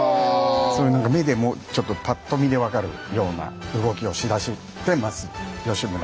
そういう何か目でもちょっとパッと見で分かるような動きをしだしてます義村は。